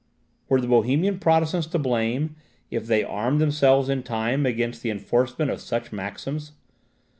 Were the Bohemian Protestants to blame, if they armed themselves in time against the enforcement of such maxims?